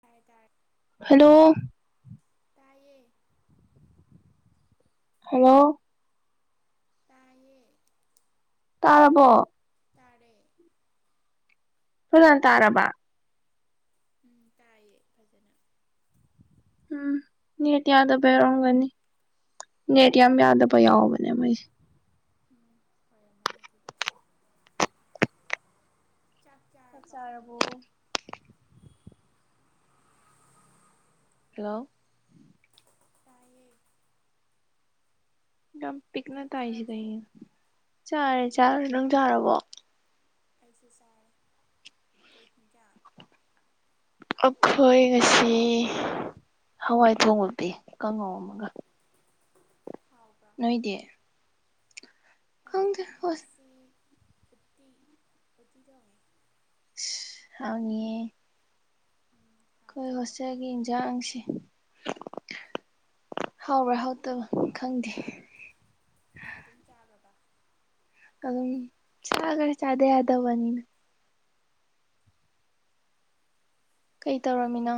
ꯇꯥꯢ ꯇꯥꯏ ꯍꯜꯂꯣ ꯇꯥꯌꯦ ꯍꯜꯂꯣ ꯇꯥꯏꯌꯦ ꯇꯥꯔꯕꯣ ꯇꯥꯔꯦ ꯅ ꯇꯥꯔꯕꯥ ꯎꯝ ꯇꯥꯏꯌꯦ ꯐꯖꯅ ꯎꯝ ꯅꯦꯠ ꯌꯥꯗꯕꯩ ꯑꯣꯢꯔꯝꯒꯅꯤ ꯅꯦꯠ ꯌꯥꯝ ꯌꯥꯗꯕ ꯌꯥꯎꯕꯅꯦ ꯃꯣꯏꯁꯦ ꯎꯝ ꯑꯣꯏꯔꯝꯃꯅꯤ ꯑꯗꯨꯗꯤ ꯆꯥꯛ ꯆꯥꯔꯕꯣ ꯍꯜꯂꯣ ꯇꯥꯏꯌꯦ ꯌꯥꯝ ꯄꯤꯛꯅ ꯆꯥꯛ ꯇꯥꯏꯁꯤ ꯆꯥꯔꯕꯣ ꯀꯩꯒꯤꯅꯣ ꯆꯥꯔꯦ ꯆꯥꯛ ꯅꯪ ꯆꯥꯔꯕꯣ ꯑꯩꯁꯨ ꯆꯥꯔꯦ ꯀꯩ ꯍꯤꯟꯖꯥꯡ ꯑꯈꯣꯏ ꯉꯁꯤ ꯍꯋꯥꯏ ꯊꯣꯡꯕ ꯄꯤ ꯀꯥꯡꯍꯧ ꯑꯃꯒ ꯍꯥꯎꯕ꯭ꯔꯣ ꯅꯣꯏꯗꯤ ꯈꯪꯗꯦ ꯑꯩꯈꯣꯏꯒꯤ ꯍꯣꯏ ꯉꯁꯤ ꯎꯇꯤ ꯎꯇꯤ ꯊꯣꯡꯉꯦ [unintelligible] ꯍꯥꯎꯅꯤꯍꯦ ꯎꯝ ꯑꯈꯣꯏ ꯍꯥꯎꯗꯨꯅꯦ ꯍꯣꯁꯇꯦꯜꯒꯤ ꯏꯟꯖꯥꯡꯁꯤ ꯍꯥꯎꯕ꯭ꯔꯥ ꯍꯥꯎꯇꯕ꯭ꯔ ꯈꯪꯗꯦ ꯑꯗꯨꯝ ꯆꯥꯒ꯭ꯔꯕ ꯑꯗꯨꯝ ꯆꯥꯒ꯭ꯔꯦ ꯆꯥꯗ ꯌꯥꯗꯕꯅꯤꯅ ꯀꯩ ꯇꯧꯔꯝꯃꯤꯅꯣ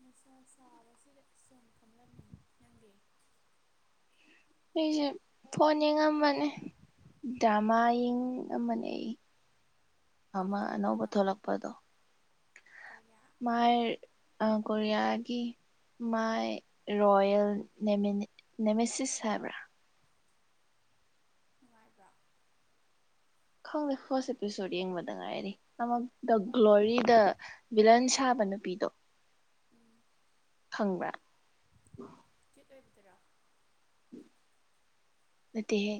ꯅꯨꯡꯁꯥ ꯁꯥꯕꯁꯤꯗ ꯁꯨꯝ ꯐꯝꯂꯝꯃꯤꯅꯤ ꯅꯪꯗꯤ ꯑꯩꯁꯤ ꯐꯣꯟ ꯌꯦꯡꯉꯝꯕꯅꯦ ꯗ꯭ꯔꯃꯥ ꯌꯦꯡꯉꯝꯕꯅꯦ ꯑꯩ ꯀꯩ ꯑꯃ ꯑꯅꯧꯕ ꯗ꯭ꯔꯃꯥꯅꯣ ꯊꯣꯛꯂꯛꯄꯗꯣ ꯀꯣꯔꯤꯌꯥ ꯃꯣꯏ ꯑ ꯀꯣꯔꯤꯌꯥꯒꯤ ꯃꯥꯏ ꯔꯣꯌꯦꯜ ꯅꯦꯃꯦ ꯅꯦꯃꯦꯁꯤꯁ ꯍꯥꯏꯕ꯭ꯔꯥ ꯅꯨꯡꯉꯥꯏꯕ꯭ꯔꯣ ꯈꯪꯗꯦ ꯐꯥꯔꯁ ꯑꯦꯄꯤꯁꯣꯗ ꯌꯦꯡꯕꯗ ꯉꯥꯏꯔꯤ ꯑꯃ ꯗ ꯒ꯭ꯂꯣꯔꯤ ꯗ ꯚꯤꯂꯟ ꯁꯥꯕ ꯅꯨꯄꯤꯗꯣ ꯎꯝ ꯈꯪꯕ꯭ꯔ ꯀ꯭ꯌꯨꯠ ꯑꯣꯏꯕꯗꯨꯔꯣ ꯅꯠꯇꯦꯍꯦ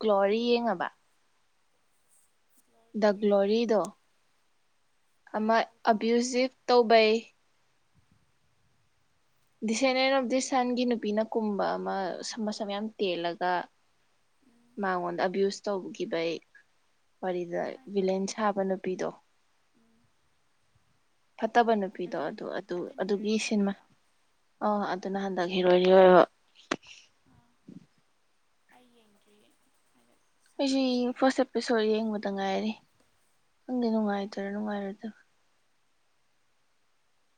ꯒ꯭ꯂꯣꯔꯤ ꯌꯦꯡꯉꯕ ꯗ ꯒ꯭ꯂꯣꯔꯤ ꯒ꯭ꯂꯣꯔꯤꯗꯣ ꯑꯃ ꯀꯥꯎꯕꯨ ꯀꯥꯎꯈ꯭ꯔꯦꯗ ꯑꯕ꯭ꯌꯨꯖꯤꯞ ꯇꯧꯕꯩ ꯗꯤꯁꯦꯅꯦꯟ ꯑꯣꯐ ꯗꯤꯁ ꯁꯟꯒꯤ ꯅꯨꯄꯤꯅ ꯀꯨꯝꯕ ꯑꯃ ꯃꯁꯝ ꯌꯥꯝ ꯇꯦꯜꯂꯒ ꯎꯝ ꯃꯉꯣꯟꯗ ꯑꯕ꯭ꯌꯨꯁ ꯇꯧꯈꯤꯕꯩ ꯋꯥꯔꯤꯗ ꯈꯪꯉꯦ ꯚꯤꯂꯦꯟ ꯁꯥꯕꯩ ꯅꯨꯄꯤꯗꯣ ꯈꯪꯉꯦ ꯎꯝ ꯐꯠꯇꯕ ꯅꯨꯄꯤꯗꯣ ꯑꯗꯨ ꯑꯗꯨ ꯑꯗꯨꯅ ꯑꯗꯨꯒꯤ ꯍꯦꯔꯣꯏꯅꯤ ꯁꯤꯟꯃꯥ ꯑꯣꯏꯔꯤꯔꯣ ꯑ ꯑꯗꯨꯅ ꯍꯟꯗꯛ ꯏꯔꯣꯏ ꯂꯣꯢꯕ ꯑꯥ ꯑꯩ ꯌꯦꯡꯗ꯭ꯔꯤꯌꯦ [unintelligible] ꯑꯩꯁꯨ ꯌꯦꯡ ꯁꯪꯗ꯭ꯔꯤ ꯐꯥꯔꯁ ꯑꯦꯄꯤꯁꯣꯗ ꯌꯦꯡꯕꯗ ꯉꯥꯏꯔꯤ ꯈꯪꯗꯦ ꯅꯨꯡꯉꯥꯏꯗꯣꯏꯔꯥ ꯅꯨꯡꯉꯥꯏꯔꯣꯢꯗ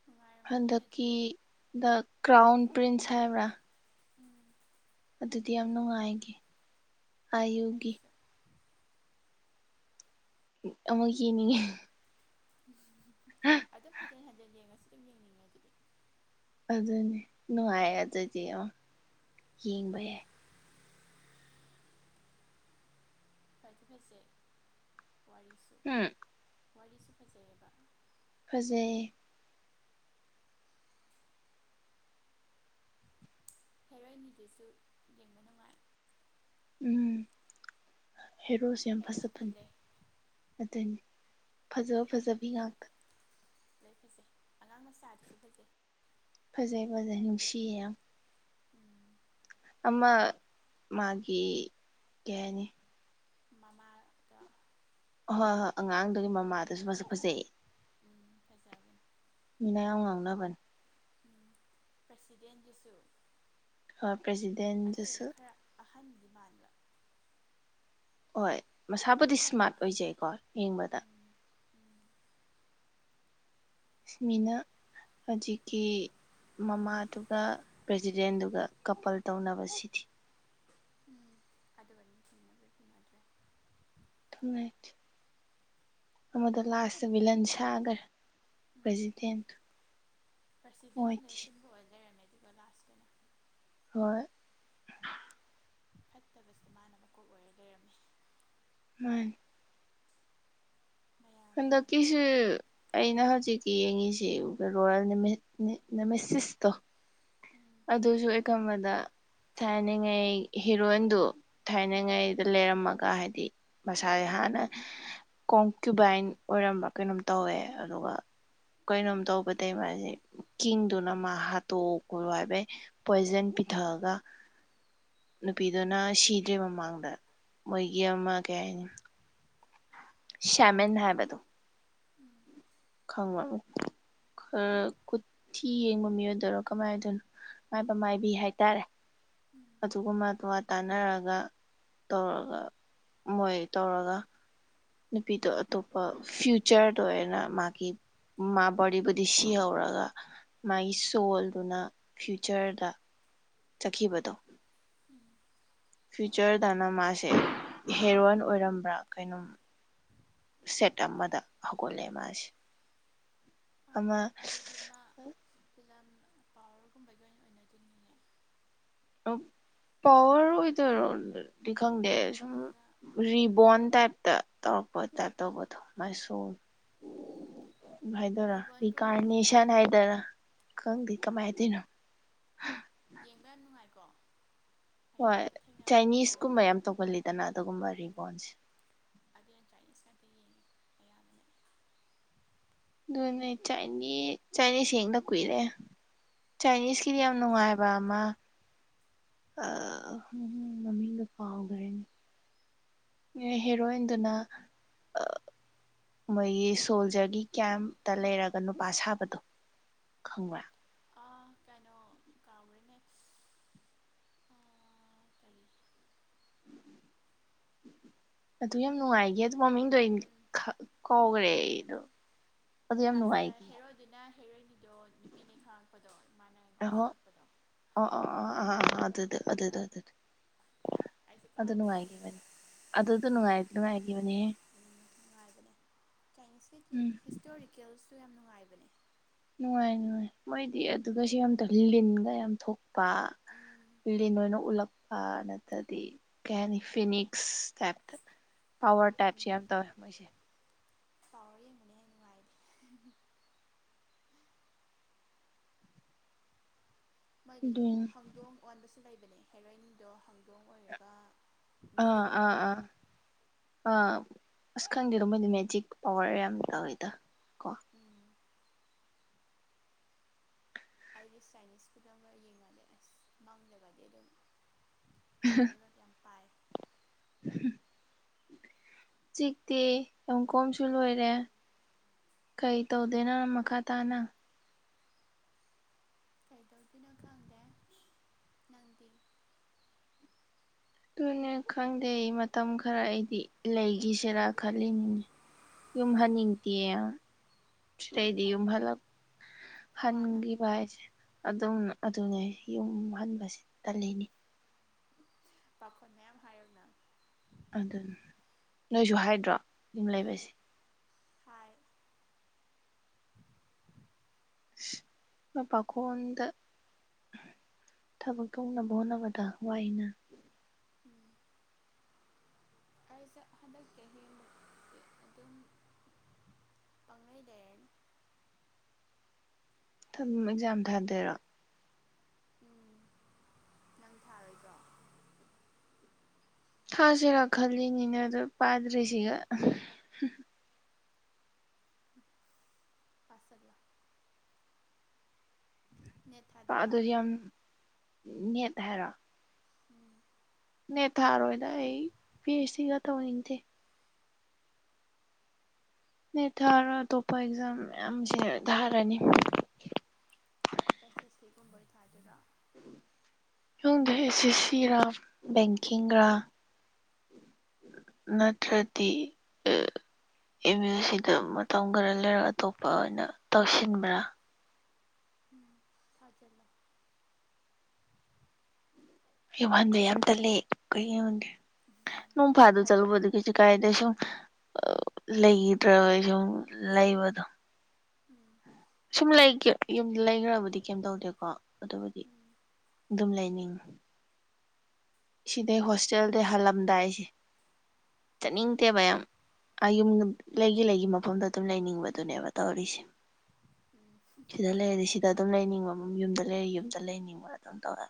ꯅꯨꯡꯉꯥꯏꯔꯝꯒꯅꯤꯗ ꯑꯗꯨꯝ ꯍꯟꯗꯛꯀꯤ ꯗ ꯀ꯭ꯔꯥꯎꯟ ꯄ꯭ꯔꯤꯟꯁ ꯍꯥꯏꯕ꯭ꯔꯥ ꯎꯝ ꯑꯗꯨꯗꯤ ꯌꯥꯝ ꯅꯨꯡꯉꯥꯏꯒꯤ ꯑꯥꯏꯌꯨꯒꯤ ꯑꯩꯁꯨ ꯑꯃꯨꯛ ꯌꯦꯡꯅꯤꯡꯉꯦ ꯑꯗꯨꯝ ꯍꯟꯖꯟ ꯍꯟꯖꯟ ꯌꯦꯡꯉꯁꯨ ꯑꯗꯨꯝ ꯌꯦꯡꯅꯤꯡꯉꯦ ꯑꯗꯨꯗꯤ ꯑꯗꯨꯅꯦ ꯅꯨꯡꯉꯥꯏ ꯑꯗꯨꯗꯤ ꯑꯣ ꯌꯦꯡꯕ ꯌꯥꯏ ꯐꯗꯤ ꯐꯖꯩ ꯋꯥꯔꯤꯁꯨ ꯎꯝ ꯋꯥꯔꯤꯁꯨ ꯐꯖꯩ ꯑꯦꯕ ꯐꯖꯩ ꯍꯦꯔꯣꯅꯤꯗꯨꯁꯨ ꯌꯦꯡꯕ ꯅꯨꯡꯉꯥꯏ ꯎꯝ ꯍꯦꯔꯣꯁꯨ ꯌꯥꯝ ꯐꯖꯕꯅꯤ ꯑꯝ ꯑꯗꯨꯅꯤ ꯐꯖꯕ ꯐꯖꯕꯤ ꯉꯥꯛꯇ ꯂꯣꯏ ꯐꯖꯩ ꯑꯉꯥꯡ ꯃꯆꯥꯗꯨꯁꯨ ꯐꯖꯩ ꯐꯖꯩ ꯐꯖꯩ ꯅꯨꯡꯁꯤꯌꯦ ꯌꯥꯝ ꯎꯝ ꯑꯃ ꯃꯥꯒꯤ ꯀꯩ ꯍꯥꯏꯅꯤ ꯃꯃꯥꯗꯣ ꯍꯣꯏ ꯍꯣꯏ ꯑꯉꯥꯡꯗꯨꯒꯤ ꯎꯝ ꯃꯃꯥꯗꯨꯁꯨ ꯃꯁꯛ ꯐꯖꯩ ꯎꯝ ꯐꯖꯕꯅꯦ ꯃꯤꯅ ꯌꯥꯝ ꯉꯥꯎꯅꯕꯅꯦ ꯎꯝ ꯄ꯭ꯔꯁꯤꯗꯦꯟꯗꯨꯁꯨ ꯍꯣꯏ ꯄ꯭ꯔꯦꯁꯤꯗꯦꯟꯗꯨꯁꯨ ꯑꯗꯨꯗꯨꯅ ꯈꯔ ꯑꯍꯟꯗꯤ ꯃꯥꯟꯗ꯭ꯔꯥ ꯑꯣꯏ ꯃꯁꯥꯕꯨꯗꯤ ꯁ꯭ꯃꯥꯔꯠ ꯑꯣꯏꯖꯩꯀꯣ ꯌꯦꯡꯕꯗ ꯎꯝ ꯎꯝ ꯃꯤꯅ ꯍꯧꯖꯤꯛꯀꯤ ꯃꯃꯥꯗꯨꯒ ꯄ꯭ꯔꯖꯤꯗꯦꯟꯗꯨꯒ ꯀꯥꯄꯜ ꯇꯧꯅꯕꯁꯤꯗꯤ ꯑꯗꯨꯒꯗꯤ ꯊꯨꯡꯅꯕꯗꯤ ꯊꯨꯡꯅꯗ꯭ꯔꯦ ꯅꯦꯡꯉꯥꯢꯇꯦ ꯑꯃꯗꯣ ꯂꯥꯁꯇ ꯕꯤꯂꯟ ꯁꯥꯒ꯭ꯔꯦ ꯄꯥꯔꯖꯤꯗꯦꯟ ꯗꯣ ꯄꯔꯥꯁꯤꯗꯤꯟꯅ ꯂꯩ [inaudible] ꯁꯤꯟꯕ ꯑꯣꯏ ꯂꯩꯔꯝꯃꯦꯗꯨꯒ ꯂꯥꯁ ꯍꯣꯏ ꯐꯠꯇꯕꯁꯤ ꯃꯥꯅ ꯃꯀꯣꯛ ꯑꯣꯏꯔ ꯂꯩꯔꯝꯃꯦ ꯃꯥꯅꯦ ꯃꯌꯥꯝꯅ ꯍꯟꯗꯛ ꯌꯥꯝꯅ ꯀꯤꯁꯨ ꯃꯉꯣꯟꯗ ꯑꯩꯅ ꯍꯧꯖꯤꯛꯀꯤ ꯌꯦꯡꯉꯤꯁꯤ ꯔꯣꯌꯦꯜ ꯅꯃꯍꯦ ꯅꯤ ꯅꯃꯁꯤꯁꯇꯣ ꯎꯝ ꯑꯗꯨꯁꯨ ꯑꯩꯅ ꯈꯥꯟꯕꯗ ꯊꯥꯏꯅꯉꯩ ꯍꯤꯔꯣꯏꯟꯗꯨ ꯎꯝ ꯊꯥꯏꯅꯉꯩꯗ ꯂꯩꯔꯝꯃꯒ ꯍꯥꯏꯗꯤ ꯃꯁꯥꯁꯦ ꯍꯥꯟꯅ ꯀꯣꯡꯀꯌꯨꯕꯥꯏꯟ ꯑꯣꯏꯔꯝꯕ ꯀꯩꯅꯣꯝ ꯇꯧꯋꯦ ꯑꯗꯨꯒ ꯀꯩꯅꯣꯝ ꯇꯧꯕꯗꯩ ꯃꯥꯁꯦ ꯀꯤꯡꯗꯨꯅ ꯃꯥ ꯍꯥꯠꯇꯣꯛꯑꯣꯅ ꯍꯥꯏꯕꯗꯩ ꯄꯣꯏꯖꯟ ꯄꯤꯊꯥꯛꯑꯒ ꯅꯨꯄꯤꯗꯨꯅ ꯁꯤꯗ꯭ꯔꯤ ꯃꯃꯥꯡꯗ ꯃꯣꯏꯒꯤ ꯑꯃ ꯀꯩ ꯍꯥꯏꯅꯤ ꯁ꯭ꯌꯥꯃꯦꯟ ꯍꯥꯏꯕꯗꯣ ꯎꯝ ꯈꯪꯕꯔꯥ ꯈꯔ ꯀꯨꯊꯤ ꯌꯦꯡꯕ ꯃꯤ ꯑꯣꯢꯗꯣꯏꯔꯣ ꯀꯃꯥꯏ ꯑꯣꯢꯗꯣꯏꯅꯣ ꯃꯥꯏꯕ ꯃꯥꯏꯕꯤ ꯍꯥꯏꯇꯥꯔꯦ ꯎꯝ ꯑꯗꯨꯒ ꯃꯥ ꯇꯥꯟꯅꯔꯒ ꯇꯧꯔꯒ ꯃꯣꯏ ꯇꯧꯔꯒ ꯅꯨꯄꯤꯗꯣ ꯑꯇꯣꯞꯄ ꯐ꯭ꯌꯨꯆꯔꯗ ꯑꯣꯏꯅ ꯃꯥꯒꯤ ꯃꯥ ꯕꯣꯔꯗꯤꯕꯨꯗꯤ ꯁꯤꯍꯧꯔꯒ ꯃꯥꯒꯤ ꯁꯣꯜꯗꯨꯅ ꯐ꯭ꯌꯨꯆꯔꯗ ꯆꯥꯠꯈꯤꯕꯗꯣ ꯎꯝ ꯐ꯭ꯌꯨꯆꯔꯗꯅ ꯃꯥꯁꯦ ꯍꯦꯔꯣꯏꯟ ꯑꯣꯏꯔꯝꯕ꯭ꯔꯥ ꯀꯩꯅꯣꯝ ꯁꯦꯠ ꯑꯃꯗ ꯍꯧꯒꯠꯂꯛꯑꯦ ꯃꯥꯁꯤ ꯑꯣ ꯑꯗꯨꯗꯤ ꯑꯃ ꯐꯤꯂꯝ ꯄꯥꯋ꯭ꯔꯒꯨꯝꯕꯒꯤ ꯑꯣꯏꯅ ꯑꯣꯏꯅꯗꯨꯏꯅꯤꯅꯦ ꯄꯋꯥꯔ ꯑꯣꯏꯗꯣꯢꯔꯣ ꯗꯤ ꯈꯪꯗꯦ ꯁꯨꯝ ꯅꯠꯇ꯭ꯔꯒ ꯔꯤꯕꯣꯟ ꯇꯥꯏꯞꯇ ꯇꯧꯔꯛꯄ ꯇꯥꯏꯞ ꯑꯣ ꯇꯧꯕꯗꯣ ꯃꯥꯏ ꯁꯣꯜ ꯍꯥꯏꯗꯣꯔꯥ ꯔꯤꯕꯣꯟꯒꯨꯝꯕꯁꯦ ꯔꯤꯀꯥꯔꯅꯦꯁꯟ ꯍꯥꯏꯗꯣꯔꯥ ꯈꯪꯗꯦ ꯎꯝ ꯀꯃꯥꯏꯟ ꯍꯥꯏꯗꯣꯏꯅꯣ ꯌꯦꯡꯕ ꯌꯥꯝ ꯅꯨꯡꯉꯥꯏꯀꯣ ꯑꯩꯗꯤ ꯍꯣꯏ ꯑꯃꯨꯛꯀ ꯊꯦꯡꯅꯕꯗ ꯃꯄꯣꯛ ꯆꯥꯏꯅꯤꯁꯀꯨꯝꯕ ꯑꯝꯗꯒ ꯌꯥꯝ ꯇꯧꯒꯜꯂꯤꯗꯅ ꯑꯗꯨꯒꯨꯝꯕ ꯎꯝ ꯔꯤꯕꯣꯟꯁꯤ ꯑꯗꯨꯅ ꯆꯥꯏꯅꯤꯁ ꯉꯥꯛꯇ ꯌꯦꯡꯉꯤ ꯑꯌꯥꯝꯕꯅ ꯑꯗꯨꯅꯦ ꯆꯥꯏꯅꯤ ꯆꯥꯏꯅꯤꯁ ꯌꯦꯡꯗ ꯀꯨꯏꯔꯦ ꯆꯥꯏꯅꯤꯁꯀꯤꯗꯤ ꯌꯥꯝ ꯁꯥꯏꯟꯁꯀꯤ ꯅꯨꯡꯉꯥꯏꯕ ꯋꯥꯃ ꯑ ꯃꯃꯤꯡ ꯃꯃꯤꯡꯒ ꯀꯥꯎꯈ꯭ꯔꯦꯅꯦ ꯉꯦ ꯍꯦꯔꯣꯏꯟꯗꯨꯅ ꯃꯣꯏꯒꯤ ꯁꯣꯜꯖꯔꯒꯤ ꯀꯦꯝꯇ ꯂꯩꯔꯒ ꯅꯨꯄꯥ ꯁꯥꯕꯗꯣ ꯈꯪꯕ꯭ꯔꯥ ꯑ ꯀꯩꯅꯣ ꯀꯥꯎꯈ꯭ꯔꯦꯅꯦ ꯑꯀꯔꯤ ꯑꯗꯨ ꯌꯥꯝ ꯅꯨꯡꯉꯥꯏꯒꯦ ꯑꯗꯨ ꯃꯃꯤꯡꯗꯣ ꯑꯩꯟ ꯎꯝ ꯈ ꯀꯧꯒꯔꯦ ꯀꯥꯎꯈ꯭ꯔꯦ ꯑꯗꯨ ꯑꯩꯗꯣ ꯑꯗꯨ ꯌꯥꯝ ꯅꯨꯡꯉꯥꯏꯒꯤ ꯑꯗꯨꯅ ꯍꯦꯔꯣꯏꯅꯤꯗꯣ ꯅꯨꯄꯤꯅꯦ ꯈꯪꯉꯛꯄꯗꯣ ꯏꯃꯥꯅ ꯉꯥꯎꯁꯤꯜꯂꯛꯄꯗꯣ ꯑꯣ ꯑꯣ ꯑꯣ ꯑ ꯑꯑ ꯑꯗꯨꯗ ꯑꯗꯨꯗ ꯗꯨꯗ ꯑꯩꯁꯨ ꯀꯥꯎꯒꯔꯦ ꯃꯃꯤꯡꯗꯣ ꯑꯗꯨꯗꯣ ꯅꯨꯡꯉꯥꯏ ꯅꯨꯡꯉꯥꯏꯈꯤꯕꯅꯦꯍꯦ ꯎꯝ ꯅꯨꯡꯉꯥꯏꯕꯅꯦ ꯆꯥꯏꯅꯤꯁꯀꯤꯗꯤ ꯎꯝ ꯍꯤꯁꯇꯣꯔꯤꯛ ꯀꯦꯜꯁꯨ ꯌꯥꯝꯅ ꯅꯨꯡꯉꯥꯏꯕꯅꯦ ꯅꯨꯡꯉꯥꯏ ꯅꯤ ꯃꯣꯏꯗꯤ ꯑꯗꯨꯒꯁꯨ ꯌꯥꯝꯇ ꯂꯤꯟꯒ ꯌꯥꯝ ꯊꯣꯛꯄ ꯎꯝ ꯂꯤꯟ ꯑꯣꯏꯅ ꯎꯠꯂꯛꯄ ꯅꯠꯇ꯭ꯔꯗꯤ ꯀꯩ ꯍꯥꯏꯅꯤ ꯐꯤꯅꯤꯛꯁ ꯇꯥꯏꯞꯇ ꯄꯋꯥꯔ ꯇꯦꯠꯁꯨ ꯌꯥꯝ ꯇꯧꯋꯦ ꯃꯣꯏꯁꯦ ꯆꯥꯎꯥꯎꯔ ꯌꯦꯡꯕꯅꯦ ꯑꯩ ꯅꯨꯡꯉꯥꯏꯗꯦ ꯃꯗꯤ ꯑꯗꯨꯏꯅꯤ ꯍꯪꯗꯣꯡ ꯑꯣꯟꯕꯁꯨ ꯂꯩꯕꯅꯤ ꯍꯦꯔꯣꯏꯟꯗꯣ ꯏꯗꯣꯡ ꯑꯣꯏꯔꯒ ꯃꯤꯗꯒꯤꯩ ꯑꯣꯜꯂꯛꯄꯗꯣ ꯑ ꯑꯁ ꯈꯪꯗꯦꯗꯣ ꯃꯣꯏꯗꯤ ꯃꯦꯖꯤꯛ ꯄꯋꯥꯔ ꯌꯥꯝ ꯇꯧꯋꯤꯗ ꯀꯣ ꯎꯝ ꯑꯩꯗꯤ ꯆꯥꯏꯅꯤꯁ ꯐꯤꯂꯝꯝꯒ ꯌꯦꯡꯉꯗꯤ ꯑꯁ ꯃꯥꯡꯖꯕꯗꯤ ꯑꯗꯨꯝ ꯄꯔꯒꯣ ꯌꯥꯝ ꯄꯥꯏ ꯎꯝ ꯆꯤꯛꯇꯤ ꯌꯨ ꯀꯣꯝꯁꯨ ꯂꯣꯏꯔꯦ ꯀꯩ ꯇꯧꯗꯦꯅꯣ ꯃꯈꯥ ꯇꯥꯅ ꯀꯩꯗꯧꯗꯣꯏꯅꯣ ꯈꯪꯗꯦ ꯅꯪꯗꯤ ꯑꯗꯨꯅꯦ ꯈꯪꯗꯦ ꯑꯩ ꯃꯇꯝ ꯈꯔ ꯑꯩꯗꯤ ꯂꯩꯈꯤꯁꯤꯔꯥ ꯈꯜꯂꯤꯅꯤꯅꯦ ꯌꯨꯝꯍꯟꯅꯤꯡ ꯅꯤꯡꯇꯤ ꯁꯤꯗꯤꯨ ꯄꯜꯂꯨꯅꯨ ꯍꯂ ꯋꯥꯅ ꯍꯪꯒꯤ ꯄ ꯍꯥꯏꯁꯦ ꯑꯗꯨꯝ ꯑꯗꯨꯅꯦ ꯌꯨꯝ ꯍꯟꯕꯁꯤ ꯇꯜꯂꯤꯅꯤ ꯄꯥꯈꯣꯟ ꯃꯌꯥꯝ ꯍꯥꯏꯔꯒꯅ ꯑꯗꯨ ꯅꯣꯏꯁꯨ ꯍꯥꯏꯗ꯭ꯔꯣ ꯌꯨꯝ ꯂꯩꯕꯁꯦ ꯍꯥꯏ ꯑ ꯄꯥꯀꯗ ꯊꯕꯛ ꯊꯣꯧꯅꯕꯣꯕꯗꯥꯛ ꯋꯥꯏꯅ ꯎꯝ ꯑꯩꯁꯦ ꯍꯟꯗꯛ ꯆꯍꯤ ꯍ ꯑꯗꯨꯝ ꯄꯉꯗ ꯊ ꯑꯦꯛꯖꯥꯝ ꯊꯥꯗꯔꯣ ꯎ ꯅꯪ ꯊꯥꯔꯣꯏꯀꯣ ꯊꯥꯁꯤꯔꯥ ꯈꯜꯂꯤꯅꯤꯅ ꯑꯗꯨ ꯄꯥꯗ꯭ꯔꯤꯁꯤꯒ ꯐꯁꯜꯂ ꯅꯦꯠ ꯄ ꯊꯥꯗꯣꯏꯔꯣ ꯑꯗꯨꯁꯨ ꯌꯥꯝ ꯅꯦꯠ ꯍꯥꯏꯔꯣ ꯀ ꯅꯦ ꯊꯥꯔꯣꯏꯗ ꯑꯩ ꯄꯤ ꯑꯩꯆ ꯁꯤꯒ ꯇꯧꯅꯤꯡꯗꯦ ꯅꯠ ꯊꯥꯔꯣ ꯑꯇꯣꯞꯄ ꯑꯦꯛꯖꯥꯝ ꯃꯌꯥꯝꯁꯦ ꯊꯥꯔꯅꯤ ꯑꯦꯁ ꯑꯦꯁ ꯁꯤ ꯒꯨꯝꯕꯩ ꯊꯥꯗꯨꯔꯥ ꯏꯃꯨꯡꯗ ꯑꯦꯁ ꯑꯦꯁ ꯁꯤ ꯔꯥ ꯕꯦꯡꯀꯤꯡꯔꯥ ꯅꯇ꯭ꯔꯗꯤ ꯑ ꯑꯦꯝ ꯌꯨ ꯁꯤꯗ ꯃꯇꯝ ꯈꯔ ꯂꯩꯔꯒ ꯑꯇꯣꯞꯄ ꯑꯣꯏꯅ ꯇꯧꯁꯤꯟ ꯕ꯭ꯔꯥ ꯊꯥꯖꯤꯜꯂꯨ ꯍꯟꯕ ꯌꯥꯝ ꯇꯠꯂ ꯀꯩꯒꯤꯒꯦ ꯅꯣꯡ ꯐꯥꯗ ꯆꯠꯂꯨꯕ ꯍꯜꯂꯨꯅꯨ ꯗ ꯀꯥꯏꯗ ꯁꯨꯝ ꯂꯩꯒꯤꯗ꯭ꯔꯕꯩ ꯁꯨꯝ ꯂꯩꯕꯗꯣ ꯎꯝ ꯁꯨꯝ ꯂꯩ ꯌꯨꯝ ꯂꯩꯒꯔꯕꯨꯗꯤ ꯀꯩꯝ ꯇꯧꯗꯦꯀꯣ ꯑꯗꯨꯕꯨꯗꯤ ꯎꯝ ꯑꯗꯨꯝ ꯂꯩꯅꯤꯡꯉꯤ ꯁꯤꯗꯩ ꯍꯣꯁꯇꯦꯜꯗꯩ ꯍꯜꯂꯝꯗꯥꯏꯁꯤ ꯆꯠꯅꯤꯡꯗꯦ ꯃꯌꯥꯝ ꯌꯨꯝ ꯂꯩꯒꯤ ꯂꯩꯒꯤ ꯃꯐꯝꯗꯣ ꯑꯗꯨꯝ ꯂꯩꯅꯤꯡꯕ ꯗꯨꯅꯦꯕ ꯇꯧꯔꯤꯁꯦ ꯎꯝ ꯁꯤꯗ ꯂꯩꯔꯗꯤ ꯁꯤꯗ ꯑꯗꯨꯝ ꯂꯩꯅꯤꯡꯕ ꯌꯨꯝꯗ ꯂꯩꯔ ꯌꯨꯝꯗ ꯂꯩꯅꯤꯡꯕ ꯑꯗꯨꯝ ꯇꯧꯔ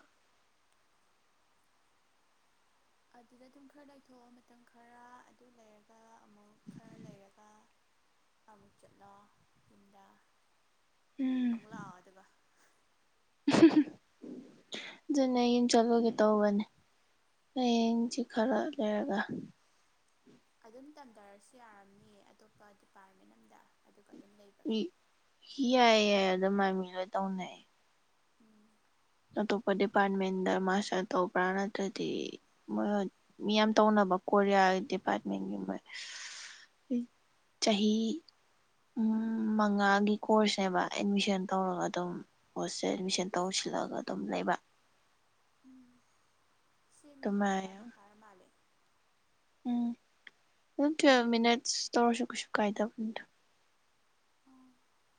ꯑꯗꯨꯗ ꯑꯗꯨꯝ ꯈꯔ ꯂꯩꯊꯣꯛ ꯑꯣ ꯃꯇꯝ ꯈꯔ ꯑꯗꯨ ꯂꯩꯔꯒ ꯑꯃꯨꯛ ꯈꯔ ꯂꯩꯔꯒ ꯑꯃꯥꯨꯛ ꯆꯠꯂꯣ ꯌꯨꯝꯗ ꯎꯝ ꯑꯃꯨꯛ ꯂꯥꯛꯑꯣ ꯑꯗꯨꯒ ꯑꯗꯨꯅꯦ ꯌꯨꯝ ꯆꯠꯂꯨꯒꯦ ꯇꯧꯕꯅꯦ ꯍꯌꯦꯡ ꯁꯤ ꯈꯔ ꯂꯩꯔꯒ ꯑꯗꯨꯝ ꯇꯝꯊꯔꯁꯨ ꯌꯥꯔꯝꯅꯤꯌꯦ ꯑꯇꯣꯞꯄ ꯗꯤꯄꯥꯔꯃꯦꯟ ꯑꯝꯗ ꯑꯗꯨꯒ ꯑꯗꯨꯝ ꯂꯩꯕ ꯃꯤ ꯌꯥꯏ ꯌꯥꯏ ꯑꯗꯣꯃꯥꯏ ꯃꯤ ꯂꯣꯏ ꯇꯧꯅꯩꯌꯦ ꯎꯝ ꯑꯇꯣꯞꯄ ꯗꯤꯄꯥꯔꯃꯦꯟꯗ ꯃꯥꯁꯇꯔ ꯇꯧꯕ꯭ꯔꯥ ꯅꯠꯇ꯭ꯔꯗꯤ ꯃꯤ ꯌꯥꯝ ꯇꯧꯅꯕ ꯀꯣꯔꯤꯌꯥ ꯗꯤꯄꯥꯔꯃꯦꯟꯒꯤ ꯃꯣꯏ ꯆꯥꯍꯤ ꯎꯝ ꯃꯉꯥꯒꯤ ꯀꯣꯔꯁ ꯅꯦꯕ ꯑꯦꯗꯃꯤꯁꯟ ꯇꯧꯔꯒ ꯑꯗꯨꯝ ꯑꯦꯗꯃꯤꯁꯟ ꯇꯧꯁꯤꯜ ꯂꯒ ꯑꯗꯨꯝ ꯂꯩꯕ ꯁꯤ ꯃꯤꯅꯤꯠ ꯇꯔꯥ ꯑꯗꯨꯃꯥꯏꯅ ꯗꯤ ꯐꯥꯔꯥ ꯃꯥꯂꯦ ꯎꯝ ꯑꯗꯨ ꯇꯨꯌꯦꯜꯕ ꯃꯤꯅꯠꯁ ꯇꯧꯔꯁꯨ ꯀꯩꯁꯨ ꯀꯥꯏꯗꯕꯅꯤꯗ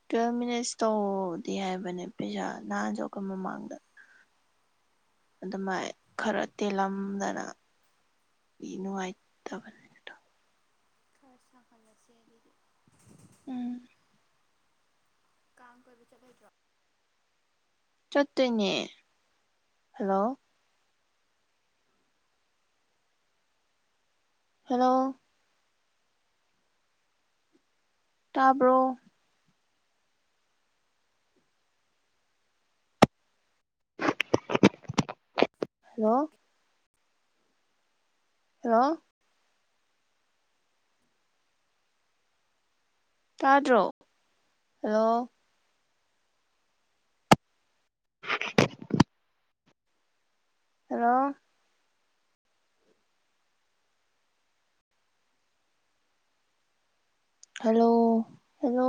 ꯇꯨꯋꯦꯜꯐ ꯃꯤꯅꯠꯁ ꯇꯧꯗꯤ ꯍꯥꯏꯕꯅꯦ ꯄꯩꯁꯥ ꯅꯍꯥꯟꯁꯨ ꯑꯩꯈꯣꯏ ꯃꯃꯥꯡꯗ ꯑꯗꯨꯃꯥꯏ ꯈꯔ ꯇꯦꯜꯂꯝꯗꯅ ꯅꯨꯡꯉꯥꯏ ꯇꯕꯅꯤ ꯈꯔ ꯁꯥꯍꯜ ꯂꯁꯦ ꯑꯗꯨꯗꯤ [inaudible] ꯀꯥꯡ ꯀꯣꯏꯕ ꯆꯠ ꯂꯣꯏꯗ꯭ꯔꯣ ꯆꯠ ꯇꯣꯏꯅꯦ ꯍꯜꯂꯣ ꯍꯂꯣ ꯇꯥꯕ꯭ꯔꯣ ꯍꯂꯣ ꯍꯂꯣ ꯇꯥꯗ꯭ꯔꯣ ꯍꯂꯣ ꯍꯂꯣ ꯍꯂꯣ ꯍꯂꯣ